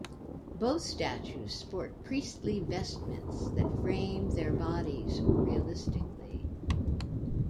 Both statues sport priestly vestments that frame their bodies realistically.